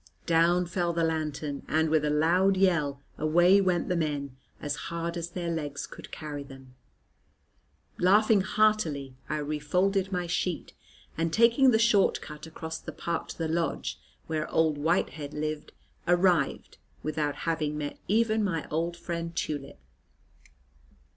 Down fell the lantern, and, with a loud yell, away went the men, as hard as their legs could carry them. Laughing heartily, I refolded my sheet, and taking the short cut across the park to the lodge where old Whitehead lived, arrived, without having met even my old friend "Tulip."